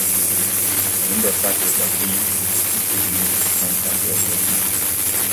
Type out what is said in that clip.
The number of factors of "b" is given using its prime factorization.